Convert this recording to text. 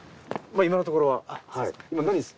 今のところは。